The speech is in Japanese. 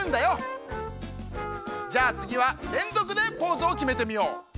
じゃあつぎはれんぞくでポーズをきめてみよう。